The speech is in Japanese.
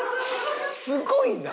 すごいな！